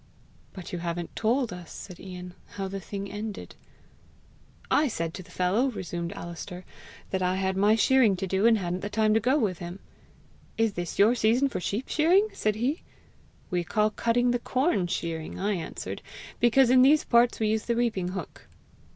"But you haven't told us," said Ian, "how the thing ended." "I said to the fellow," resumed Alister, "that I had my shearing to do, and hadn't the time to go with him. 'Is this your season for sheep shearing?' said he.'We call cutting the corn shearing,' I answered, 'because in these parts we use the reaping hook.'